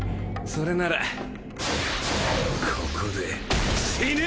それならここで死ね！